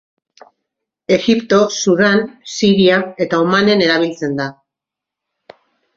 Egipto, Sudan, Siria eta Omanen erabiltzen da.